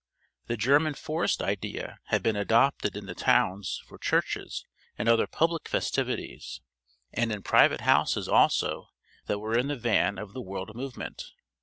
The German forest idea had been adopted in the towns for churches and other public festivities; and in private houses also that were in the van of the world movement.